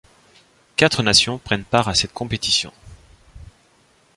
Quatre nations prennent part à cette compétition.